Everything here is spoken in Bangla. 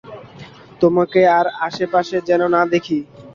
তোমাকে আর আশেপাশে যেন না দেখি।